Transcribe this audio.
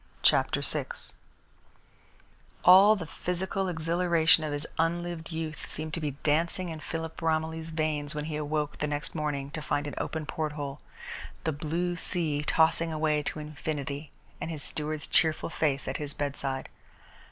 CHAPTER VI All the physical exhilaration of his unlived youth seemed to be dancing in Philip Romilly's veins when he awoke the next morning to find an open porthole, the blue sea tossing away to infinity, and his steward's cheerful face at his bedside.